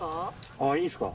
ああいいんですか？